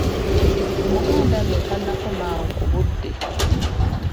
Omuganda nno takoma awo ku budde.